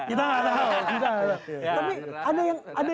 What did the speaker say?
kita gak tau